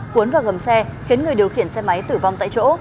cuốn vào ngầm xe khiến người điều khiển xe máy tử vong tại chỗ